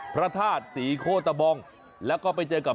พระธาตุศรีโคตะบองแล้วก็ไปเจอกับ